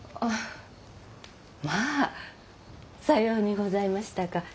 まぁさようにございましたか。